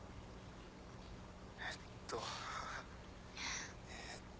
えっとえ。